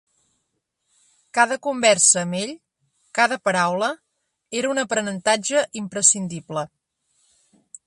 Cada conversa amb ell, cada paraula, era un aprenentatge imprescindible.